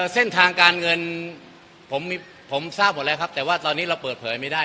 เส้นทางการเงินผมทราบหมดแล้วครับแต่ว่าตอนนี้เราเปิดเผยไม่ได้